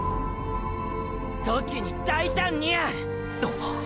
“時に大胆に”や！！！